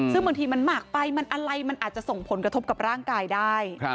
ซึ่งบางทีมันมากไปมันอะไรมันอาจจะส่งผลกระทบกับร่างกายได้